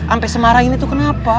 ampe semarahin itu kenapa